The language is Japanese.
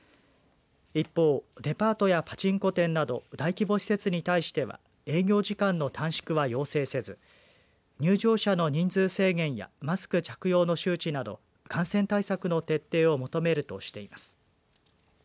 一方、デパートやパチンコ店など大規模施設に対しては営業時間の短縮は要請せず入場者の人数制限やマスク着用の周知など感染対策の撤退を求めるとしています。